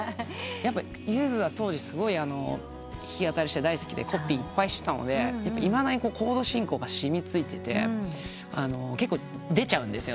ゆずは当時すごい弾き語りして大好きでコピーいっぱいしてたのでいまだにコード進行が染み付いてて結構出ちゃうんですよね。